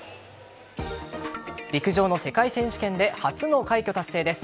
陸上の世界選手権で初の快挙達成です。